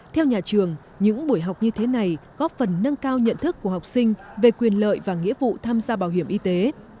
theo nhà trường những buổi học như thế này góp phần nâng cao nhận thức của học sinh về quyền lợi và nghĩa vụ tham gia bảo hiểm y tế